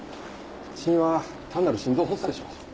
死因は単なる心臓発作でしょう。